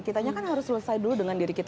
kitanya kan harus selesai dulu dengan diri kita